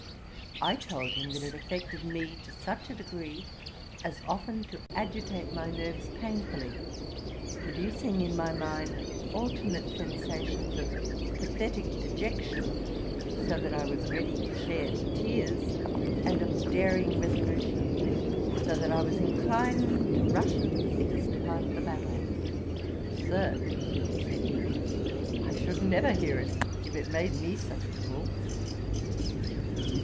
I told him, that it affected me to such a degree, as often to agitate my nerves painfully, producing in my mind alternate sensations of pathetick dejection, so that I was ready to shed tears; and of daring resolution, so that I was inclined to rush into the thickest part of the battle. 'Sir, (said he,) I should never hear it, if it made me such a fool.'